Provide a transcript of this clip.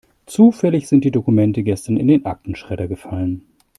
Zufällig sind die Dokumente gestern in den Aktenschredder gefallen.